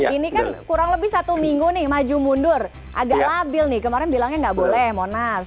ini kan kurang lebih satu minggu nih maju mundur agak labil nih kemarin bilangnya nggak boleh monas